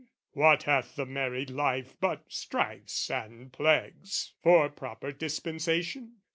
"What hath the married life but strifes and plagues "For proper dispensation?